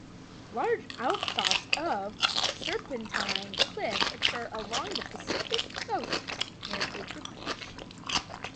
Large outcrops of serpentine cliffs occur along the Pacific coast near Baker Beach.